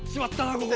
ここ。